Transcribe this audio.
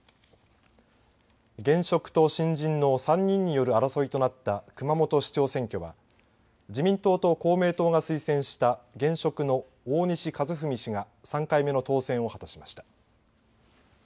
現職と新人の３人による争いとなった熊本市長選挙は自民党と公明党が推薦した現職の大西一史氏が３回目の当選を果たしました。